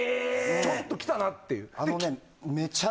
ちょっときたなっていう